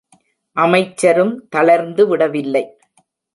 அமைச்சரும் தளர்ந்து விடவில்லை.